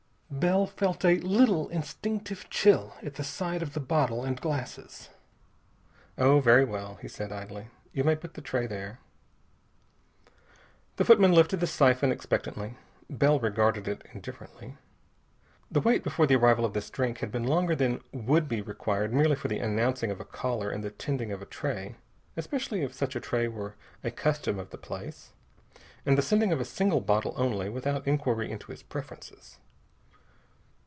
Bell felt a little instinctive chill at sight of the bottle and glasses. "Oh, very well," he said idly. "You may put the tray there." The footman lifted the siphon expectantly. Bell regarded it indifferently. The wait before the arrival of this drink had been longer than would be required merely for the announcing of a caller and the tending of a tray, especially if such a tray were a custom of the place. And the sending of a single bottle only, without inquiry into his preferences....